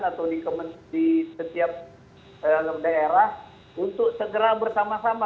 atau di setiap daerah untuk segera bersama sama